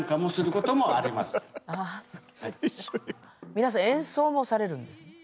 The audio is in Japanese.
皆さん演奏もされるんですね。